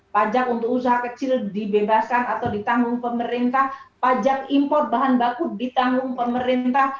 pajak untuk usaha kecil dibebaskan atau ditanggung pemerintah pajak impor bahan baku ditanggung pemerintah